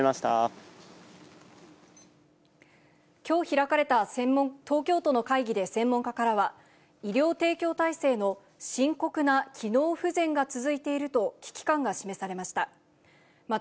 きょう開かれた東京都の会議で専門家からは、医療提供体制の深刻な機能不全が続いていると危機感が示されました。